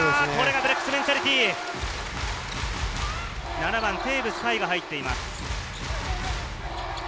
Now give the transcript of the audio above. ７番・テーブス海が入っています。